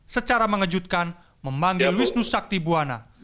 secara mengejutkan memanggil wisnu saktibuana